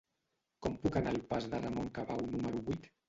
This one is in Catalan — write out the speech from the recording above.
Com puc anar al pas de Ramon Cabau número vuit?